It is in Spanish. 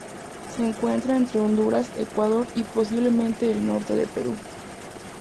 Se encuentra entre Honduras, Ecuador y Posiblemente el norte de Perú.